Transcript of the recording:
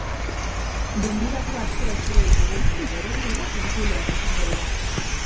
Gonbidatu asko espero ditugu, baina berezienak entzuleak izango dira.